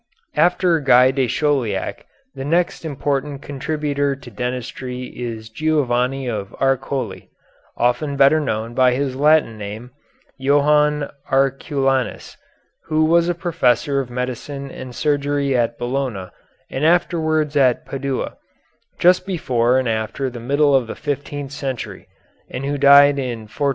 After Guy de Chauliac the next important contributor to dentistry is Giovanni of Arcoli, often better known by his Latin name, Johannes Arculanus, who was a professor of medicine and surgery at Bologna and afterwards at Padua, just before and after the middle of the fifteenth century, and who died in 1484.